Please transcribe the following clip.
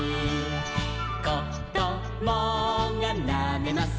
「こどもがなめます